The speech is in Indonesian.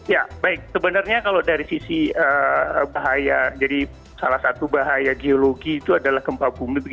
ya baik sebenarnya kalau dari sisi bahaya jadi salah satu bahaya geologi itu adalah gempa bumi